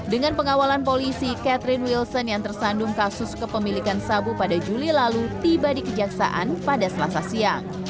dengan pengawalan polisi catherine wilson yang tersandung kasus kepemilikan sabu pada juli lalu tiba di kejaksaan pada selasa siang